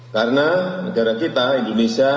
karena negara kita indonesia